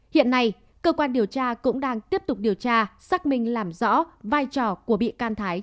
hiện nay cơ quan điều tra cũng đang tiếp tục điều tra xác minh làm rõ vai trò của bị can thái